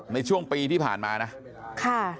ในช่วงปีที่ผ่านมานะค่ะ